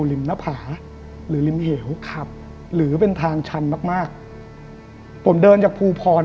อีกอย่างดูนะ